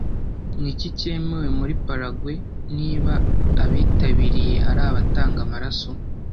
Niki cyemewe muri Paraguay niba abitabiriye ari abatanga amaraso